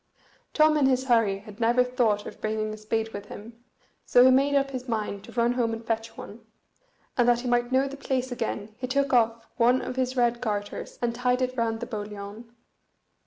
Tom in his hurry had never thought of bringing a spade with him, so he made up his mind to run home and fetch one; and that he might know the place again he took off one of his red garters, and tied it round the boliaun.